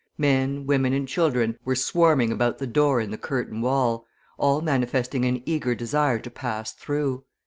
Men, women and children were swarming about the door in the curtain wall, all manifesting an eager desire to pass through.